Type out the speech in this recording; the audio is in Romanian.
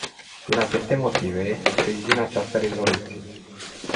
Din aceste motive, sprijin această rezoluție.